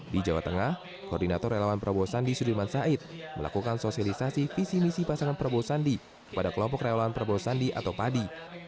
di jawa tengah koordinator relawan prabowo sandi sudirman said melakukan sosialisasi visi misi pasangan prabowo sandi kepada kelompok relawan prabowo sandi atau padi